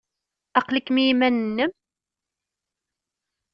Aql-ikem i yiman-nnem?